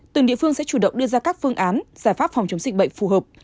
từng địa phương sẽ chủ động đưa ra các phương án giải pháp phòng chống dịch bệnh phù hợp